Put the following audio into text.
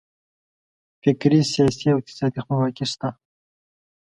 فکري، سیاسي او اقتصادي خپلواکي شته.